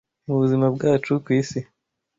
Mu buzima bwacu ku isi